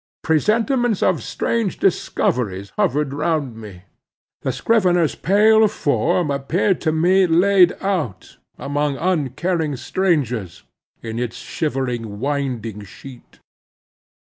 Presentiments of strange discoveries hovered round me. The scrivener's pale form appeared to me laid out, among uncaring strangers, in its shivering winding sheet.